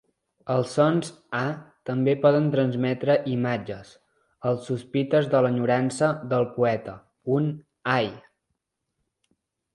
Els sons "a" també poden transmetre imatges: els sospites de l'enyorança del poeta; un "ai!